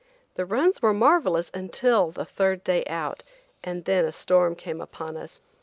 The runs were marvelous until the third day out, and then a storm came upon us.